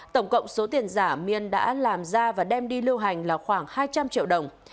tổng cộng số tiền giả miên đã làm ra và đem đi lưu hành là khoảng hai trăm linh triệu đồng